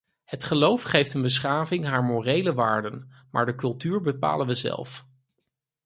Het geloof geeft een beschaving haar morele waarden, maar de cultuur bepalen we zelf.